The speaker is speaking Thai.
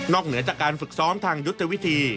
เหนือจากการฝึกซ้อมทางยุทธวิธี